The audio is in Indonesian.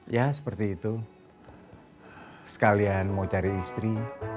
ya seperti itu sekalian mau cari istri